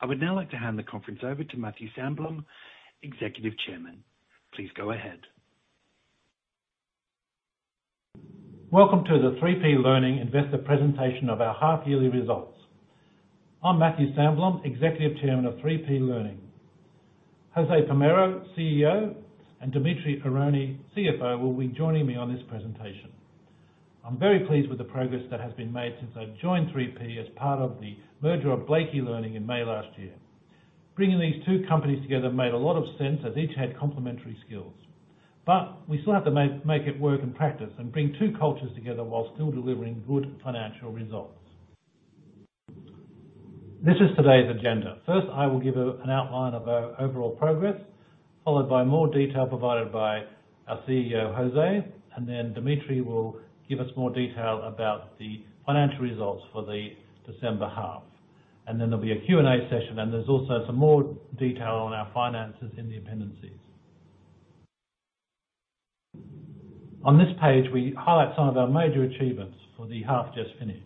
I would now like to hand the conference over to Matthew Sandblom, Executive Chairman. Please go ahead. Welcome to the 3P Learning investor presentation of our half yearly results. I'm Matthew Sandblom, Executive Chairman of 3P Learning. Jose Palmero, CEO, and Dimitri Aroney, CFO, will be joining me on this presentation. I'm very pleased with the progress that has been made since I've joined 3P as part of the merger of Blake eLearning in May last year. Bringing these two companies together made a lot of sense as each had complementary skills. We still have to make it work in practice and bring two cultures together while still delivering good financial results. This is today's agenda. First, I will give an outline of our overall progress, followed by more detail provided by our CEO, Jose, and then Dimitri will give us more detail about the financial results for the December half. There'll be a Q&A session, and there's also some more detail on our finances in the appendices. On this page, we highlight some of our major achievements for the half just finished.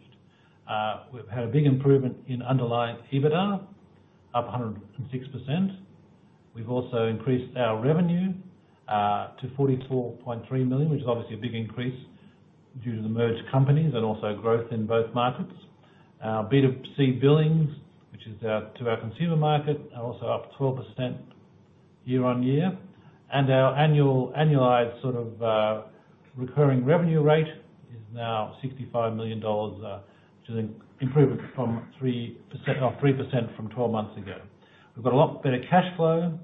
We've had a big improvement in underlying EBITDA, up 106%. We've also increased our revenue to 44.3 million, which is obviously a big increase due to the merged companies and also growth in both markets. Our B2C billings, which is to our consumer market, are also up 12% year-over-year. Our annualized sort of recurring revenue rate is now 65 million dollars, which is an improvement from 3%. Oh, 3% from twelve months ago. We've got a lot better cash flow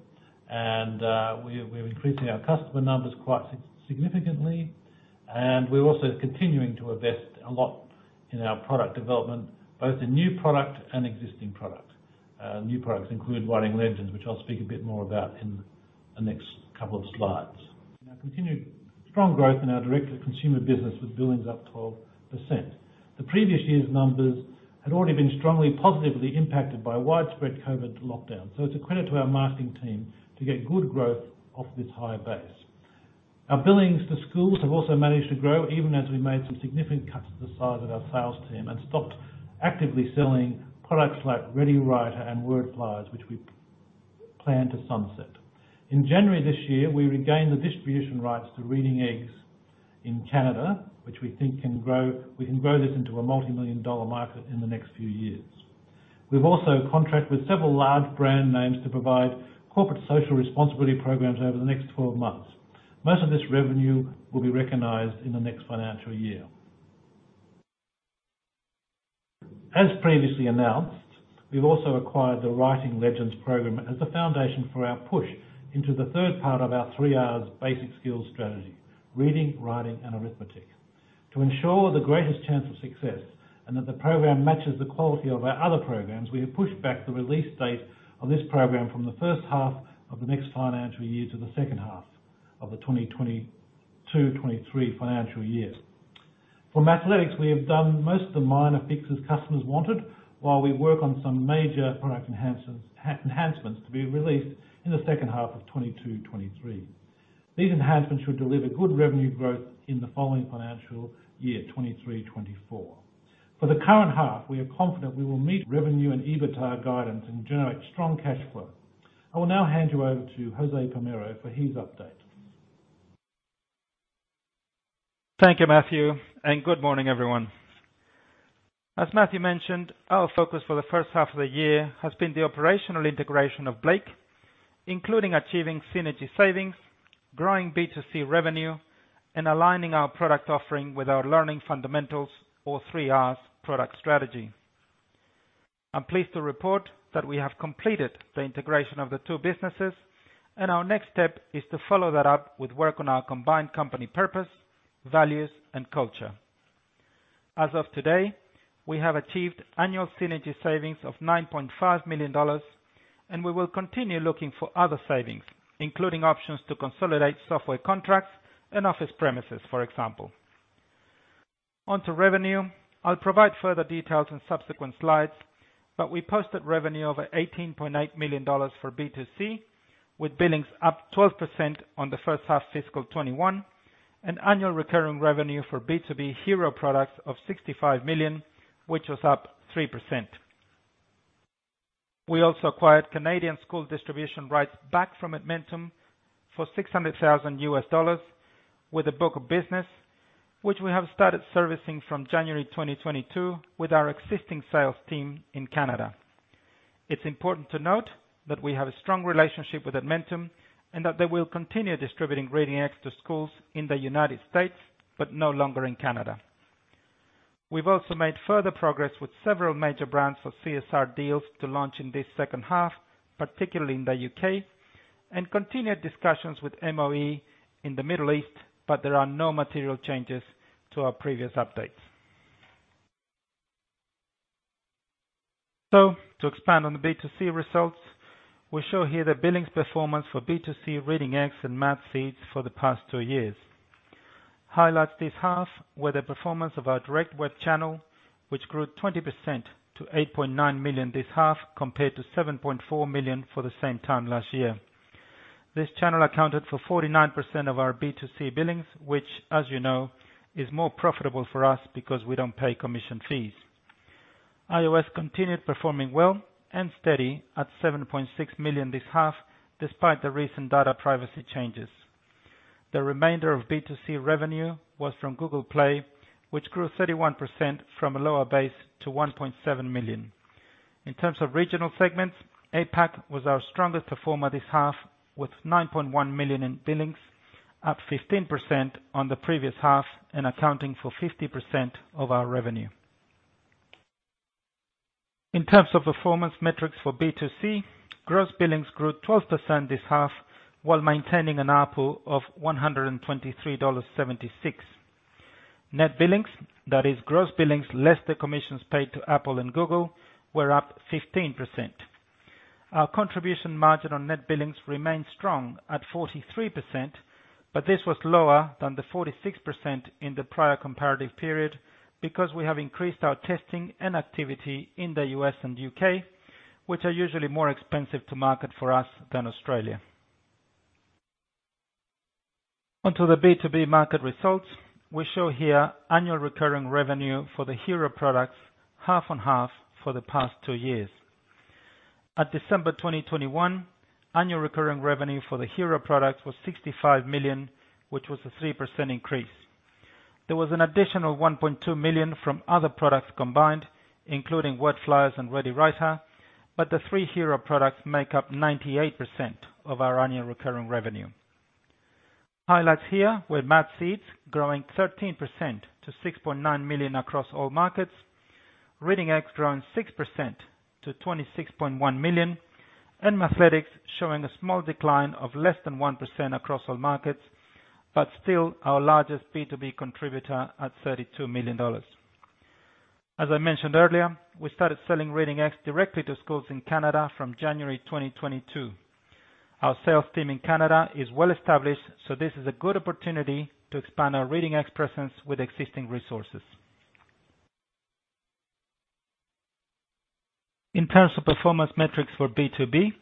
and, we're increasing our customer numbers quite significantly, and we're also continuing to invest a lot in our product development, both in new product and existing product. New products include Writing Legends, which I'll speak a bit more about in the next couple of slides. Now, continued strong growth in our direct-to-consumer business with billings up 12%. The previous year's numbers had already been strongly positively impacted by widespread COVID lockdowns. It's a credit to our marketing team to get good growth off this high base. Our billings for schools have also managed to grow even as we made some significant cuts to the size of our sales team and stopped actively selling products like ReadiWriter and WordFlyers, which we plan to sunset. In January this year, we regained the distribution rights to Reading Eggs in Canada, which we think we can grow into a multimillion-dollar market in the next few years. We've also contracted with several large brand names to provide corporate social responsibility programs over the next 12 months. Most of this revenue will be recognized in the next financial year. As previously announced, we've also acquired the Writing Legends program as the foundation for our push into the third part of our three Rs basic skills strategy, reading, writing, and arithmetic. To ensure the greatest chance of success and that the program matches the quality of our other programs, we have pushed back the release date of this program from the H1 of the next financial year to the H2 of the 2022/2023 financial year. For Mathletics, we have done most of the minor fixes customers wanted while we work on some major product enhancements to be released in the second half of 2022-2023. These enhancements should deliver good revenue growth in the following financial year, 2023-2024. For the current half, we are confident we will meet revenue and EBITDA guidance and generate strong cash flow. I will now hand you over to Jose Palmero for his update. Thank you, Matthew, and good morning, everyone. As Matthew mentioned, our focus for the H1 of the year has been the operational integration of Blake, including achieving synergy savings, growing B2C revenue, and aligning our product offering with our learning fundamentals or three Rs product strategy. I'm pleased to report that we have completed the integration of the two businesses, and our next step is to follow that up with work on our combined company purpose, values, and culture. As of today, we have achieved annual synergy savings of 9.5 million dollars, and we will continue looking for other savings, including options to consolidate software contracts and office premises, for example. Onto revenue. I'll provide further details in subsequent slides, but we posted revenue of 18.8 million dollars for B2C, with billings up 12% on the H1 FY 2021, and annual recurring revenue for B2B hero products of 65 million, which was up 3%. We also acquired Canadian school distribution rights back from Edmentum for $600,000 with a book of business, which we have started servicing from January 2022 with our existing sales team in Canada. It's important to note that we have a strong relationship with Edmentum, and that they will continue distributing Reading Eggs to schools in the United States, but no longer in Canada. We've also made further progress with several major brands for CSR deals to launch in this second half, particularly in the U.K., and continued discussions with MOE in the Middle East, but there are no material changes to our previous updates. To expand on the B2C results, we show here the billings performance for B2C Reading Eggs and Mathseeds for the past two years. Highlights this half were the performance of our direct web channel, which grew 20% to 8.9 million this half, compared to 7.4 million for the same time last year. This channel accounted for 49% of our B2C billings, which as, is more profitable for us because we don't pay commission fees. iOS continued performing well and steady at 7.6 million this half, despite the recent data privacy changes. The remainder of B2C revenue was from Google Play, which grew 31% from a lower base to 1.7 million. In terms of regional segments, APAC was our strongest performer this half, with 9.1 million in billings, up 15% on the previous half and accounting for 50% of our revenue. In terms of performance metrics for B2C, gross billings grew 12% this half while maintaining an ARPU of 123.76 dollars. Net billings, that is gross billings less the commissions paid to Apple and Google, were up 15%. Our contribution margin on net billings remains strong at 43%, but this was lower than the 46% in the prior comparative period because we have increased our testing and activity in the U.S. and U.K., which are usually more expensive to market for us than Australia. On to the B2B market results. We show here annual recurring revenue for the hero products half on half for the past two years. At December 2021, annual recurring revenue for the hero products was 65 million, which was a 3% increase. There was an additional 1.2 million from other products combined, including WordFlyers and ReadiWriter, but the three hero products make up 98% of our annual recurring revenue. Highlights here were Mathseeds growing 13% to 6.9 million across all markets. Reading Eggs growing 6% to 26.1 million. Mathletics showing a small decline of less than 1% across all markets, but still our largest B2B contributor at 32 million dollars. As I mentioned earlier, we started selling Reading Eggs directly to schools in Canada from January 2022. Our sales team in Canada is well established, so this is a good opportunity to expand our Reading Eggs presence with existing resources. In terms of performance metrics for B2B,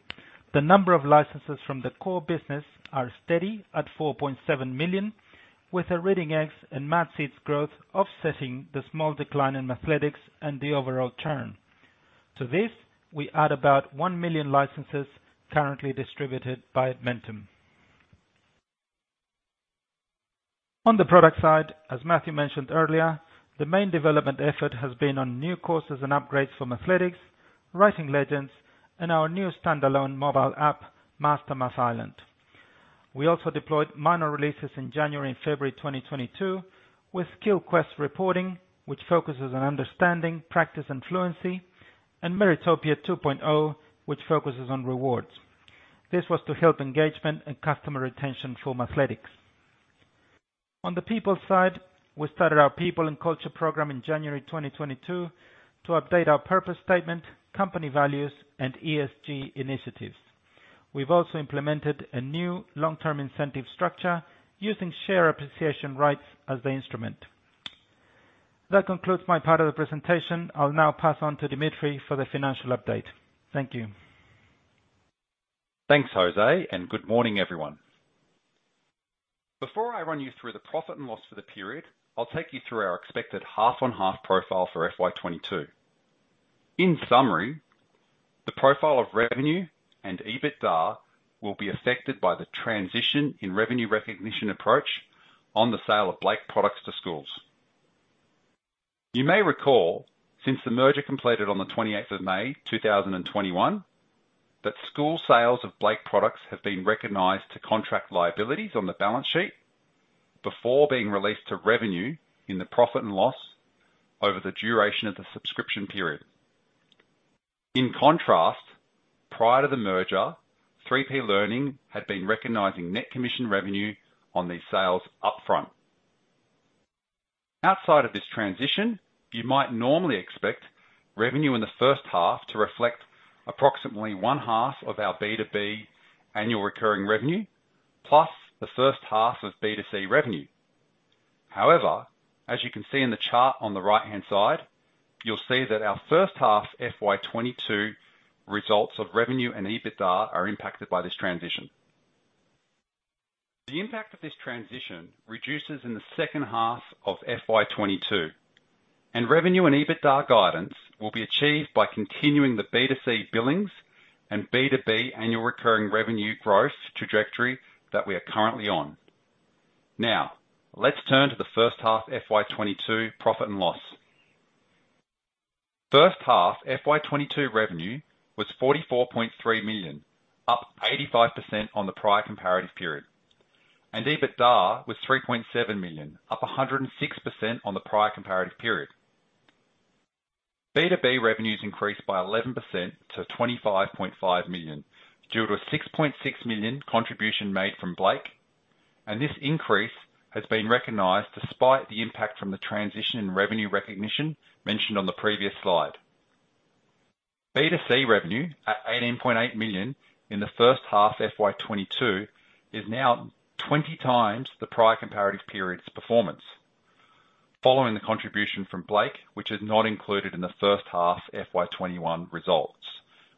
the number of licenses from the core business are steady at 4.7 million, with the Reading Eggs and Mathseeds growth offsetting the small decline in Mathletics and the overall churn. To this, we add about 1 million licenses currently distributed by Edmentum. On the product side, as Matthew mentioned earlier, the main development effort has been on new courses and upgrades for Mathletics, Writing Legends, and our new standalone mobile app, Master Math Island. We also deployed minor releases in January and February 2022 with Skill Quest Reporting, which focuses on understanding, practice and fluency, and Meritopia 2.0, which focuses on rewards. This was to help engagement and customer retention for Mathletics. On the people side, we started our people and culture program in January 2022 to update our purpose statement, company values, and ESG initiatives. We've also implemented a new long-term incentive structure using share appreciation rights as the instrument. That concludes my part of the presentation. I'll now pass on to Dimitri for the financial update. Thank you. Thanks, Jose, and good morning, everyone. Before I run you through the profit and loss for the period, I'll take you through our expected half-on-half profile for FY 2022. In summary, the profile of revenue and EBITDA will be affected by the transition in revenue recognition approach on the sale of Blake products to schools. You may recall, since the merger completed on the 28th of May, 2021, that school sales of Blake products have been recognized to contract liabilities on the balance sheet before being released to revenue in the profit and loss over the duration of the subscription period. In contrast, prior to the merger, 3P Learning had been recognizing net commission revenue on these sales upfront. Outside of this transition, you might normally expect revenue in the H1 to reflect approximately one half of our B2B annual recurring revenue, plus the H1 of B2C revenue. However, as you can see in the chart on the right-hand side, you'll see that our H1 FY 2022 results of revenue and EBITDA are impacted by this transition. The impact of this transition reduces in the H2 of FY 2022, and revenue and EBITDA guidance will be achieved by continuing the B2C billings and B2B annual recurring revenue growth trajectory that we are currently on. Now, let's turn to the H1 FY 2022 profit and loss. H1 FY 2022 revenue was 44.3 million, up 85% on the prior comparative period. EBITDA was 3.7 million, up 106% on the prior comparative period. B2B revenues increased by 11% to 25.5 million, due to a 6.6 million contribution made from Blake, and this increase has been recognized despite the impact from the transition in revenue recognition mentioned on the previous slide. B2C revenue at 18.8 million in the H1 FY 2022, is now 20 times the prior comparative period's performance. Following the contribution from Blake, which is not included in the H1 FY 2021 results,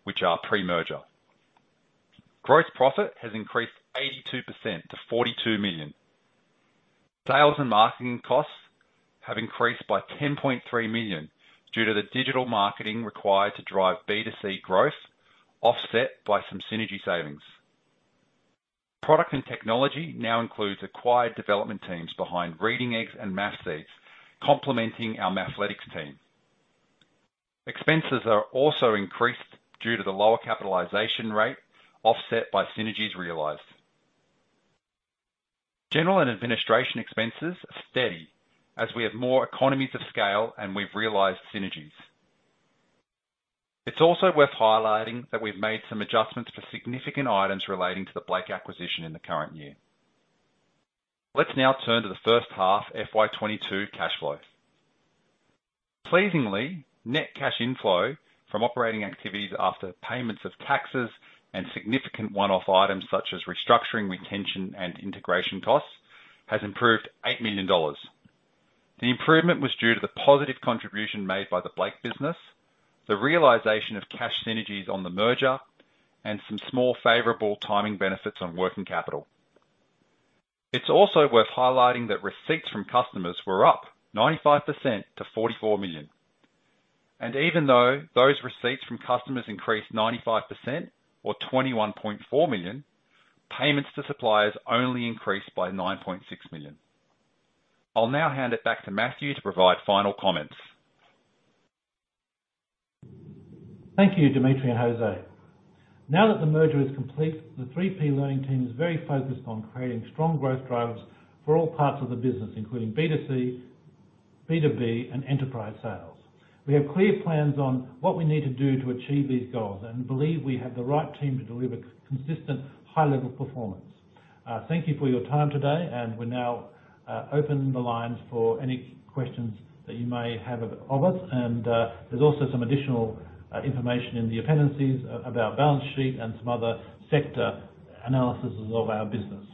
which are pre-merger. Gross profit has increased 82% to 42 million. Sales and marketing costs have increased by 10.3 million due to the digital marketing required to drive B2C growth, offset by some synergy savings. Product and technology now includes acquired development teams behind Reading Eggs and Mathletics, complementing our Mathletics team. Expenses are also increased due to the lower capitalization rate, offset by synergies realized. General and administration expenses are steady as we have more economies of scale and we've realized synergies. It's also worth highlighting that we've made some adjustments for significant items relating to the Blake acquisition in the current year. Let's now turn to the H1 FY 2022 cash flow. Pleasingly, net cash inflow from operating activities after payments of taxes and significant one-off items such as restructuring, retention, and integration costs, has improved 8 million dollars. The improvement was due to the positive contribution made by the Blake business, the realization of cash synergies on the merger, and some small favorable timing benefits on working capital. It's also worth highlighting that receipts from customers were up 95% to 44 million. Even though those receipts from customers increased 95% or 21.4 million, payments to suppliers only increased by 9.6 million. I'll now hand it back to Matthew to provide final comments. Thank you, Dimitri and Jose. Now that the merger is complete, the 3P Learning team is very focused on creating strong growth drivers for all parts of the business, including B2C, B2B, and enterprise sales. We have clear plans on what we need to do to achieve these goals and believe we have the right team to deliver consistent high-level performance. Thank you for your time today, and we now open the lines for any questions that you may have of us. There's also some additional information in the appendices about balance sheet and some other sector analyses of our business.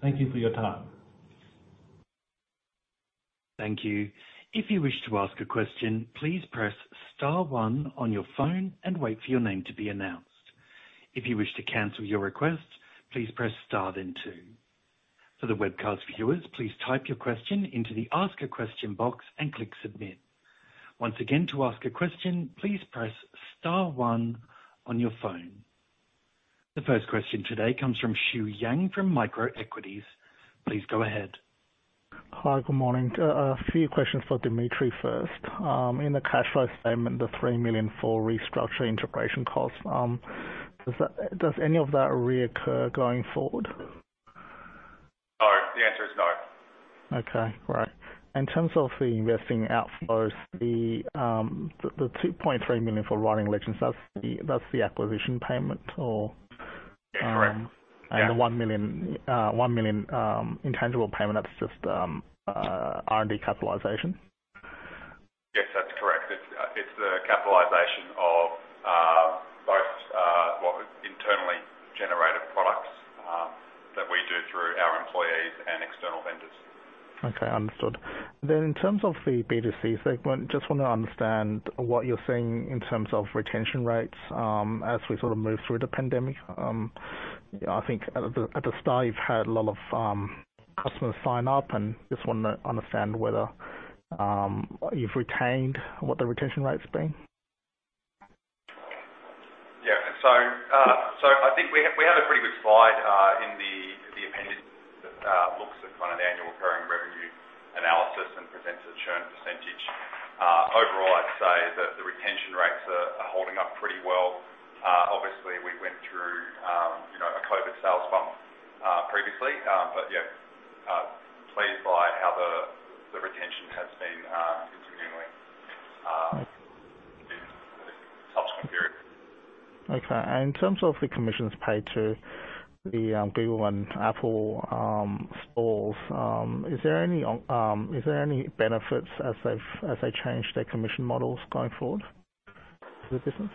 Thank you for your time. Thank you. If you wish to ask a question, please press star one on your phone and wait for your name to be announced. If you wish to cancel your request, please press star then two. For the webcast viewers, please type your question into the ask a question box and click submit. Once again, to ask a question, please press star one on your phone. The first question today comes from Xu Yang from Microequities. Please go ahead. Hi, good morning. A few questions for Dimitri first. In the cash flow statement, the 3 million for restructuring integration costs, does any of that reoccur going forward? No. The answer is no. Okay. All right. In terms of the investing outflows, the 2.3 million for Writing Legends, that's the acquisition payment or? That's correct. Yeah. The AUD 1 million intangible payment, that's just R&D capitalization? Yes, that's correct. It's the capitalization of both what we internally generated products that we do through our employees and external vendors. Okay. Understood. In terms of the B2C segment, just wanna understand what you're seeing in terms of retention rates, as we sort of move through the pandemic. I think at the start, you've had a lot of customers sign up and just wanna understand whether you've retained what the retention rate's been. Yeah. I think we have a pretty good slide in the appendix that looks at kind of the annual recurring revenue analysis and presents a churn percentage. Overall, I'd say that the retention rates are holding up pretty well. Obviously we went through a COVID sales bump previously. Yeah, pleased by how the retention has been continuing in the subsequent period. Okay. In terms of the commissions paid to the Google and Apple stores, is there any benefits as they change their commission models going forward for the business?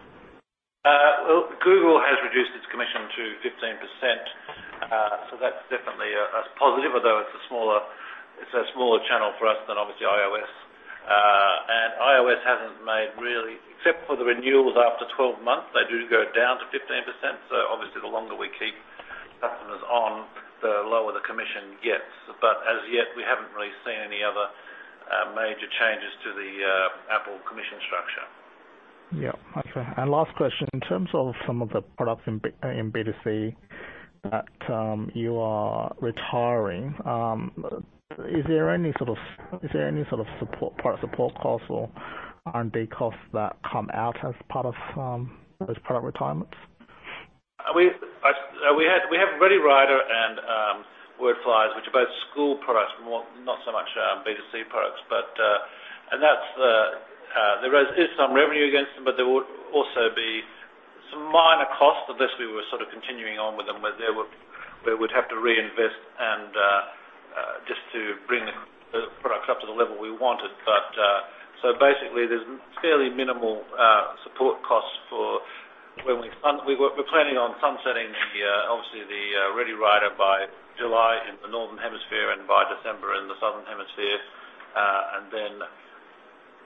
Well, Google has reduced its commission to 15%. That's definitely a positive, although it's a smaller channel for us than obviously iOS. Except for the renewals after 12 months, they do go down to 15%, so obviously the longer we keep customers on, the lower the commission gets. As yet, we haven't really seen any other major changes to the Apple commission structure. Yeah. Okay. Last question. In terms of some of the products in B2C that you are retiring, is there any sort of support, product support costs or R&D costs that come out as part of those product retirements? We have ReadiWriter and WordFlyers, which are both school products more, not so much B2C products. That's, there is some revenue against them, but there would also be some minor costs unless we were sort of continuing on with them, we would have to reinvest and just to bring the products up to the level we wanted. Basically, there's fairly minimal support costs for We're planning on sunsetting the ReadiWriter by July in the Northern Hemisphere and by December in the Southern Hemisphere. Then,,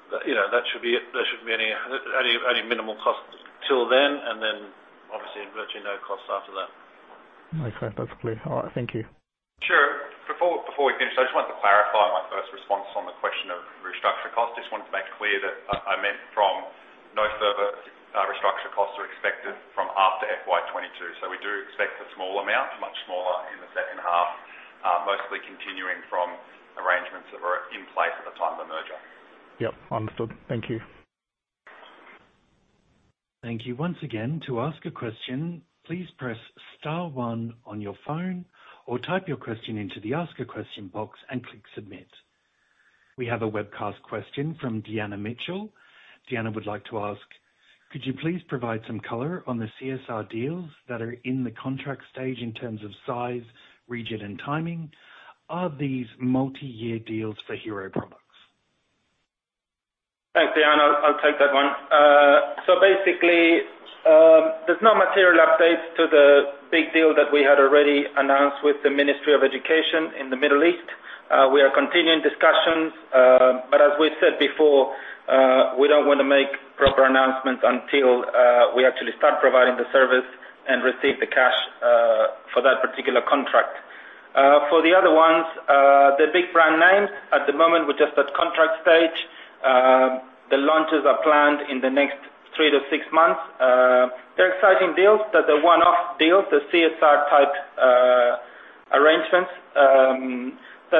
that should be it. There shouldn't be any minimal costs till then, and then obviously virtually no cost after that. Okay. That's clear. All right, thank you. Sure. Before we finish, I just wanted to clarify my first response on the question of restructure costs. Just wanted to make clear that I meant no further restructure costs are expected from after FY 2022. We do expect a small amount, much smaller in the H2, mostly continuing from arrangements that were in place at the time of the merger. Yep. Understood. Thank you. Thank you once again. We have a webcast question from Deanna Mitchell. Deanna would like to ask, "Could you please provide some color on the CSR deals that are in the contract stage in terms of size, region, and timing? Are these multi-year deals for Hero products? Thanks, Deanna. I'll take that one. So basically, there's no material updates to the big deal that we had already announced with the Ministry of Education in the Middle East. We are continuing discussions, but as we said before, we don't wanna make proper announcements until we actually start providing the service and receive the cash for that particular contract. For the other ones, the big brand names at the moment, we're just at contract stage. The launches are planned in the next three to six months. They're exciting deals. They're the one-off deals, the CSR type arrangements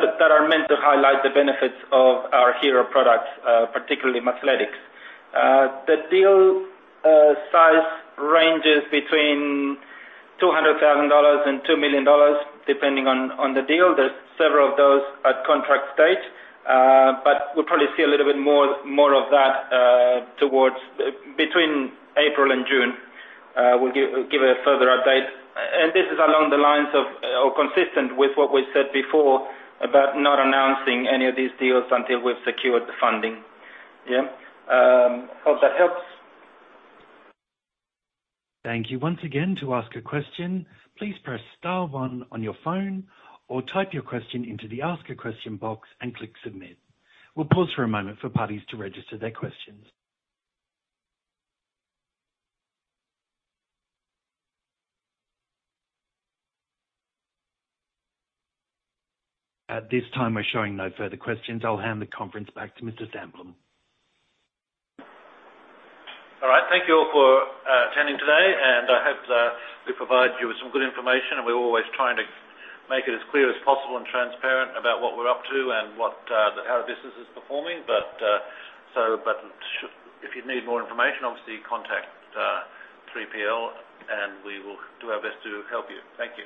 that are meant to highlight the benefits of our Hero products, particularly Mathletics. The deal size ranges between 200,000 dollars and 2 million dollars, depending on the deal. There's several of those at contract stage. But we'll probably see a little bit more of that towards between April and June. We'll give a further update. This is along the lines of or consistent with what we said before about not announcing any of these deals until we've secured the funding. Hope that helps. Thank you once again. To ask a question, please press star one on your phone or type your question into the ask a question box and click submit. We'll pause for a moment for parties to register their questions. At this time, we're showing no further questions. I'll hand the conference back to Mr. Sandblom. All right. Thank you all for attending today, and I hope that we provided you with some good information. We're always trying to make it as clear as possible and transparent about what we're up to and what, how our business is performing. If you need more information, obviously contact 3PL, and we will do our best to help you. Thank you.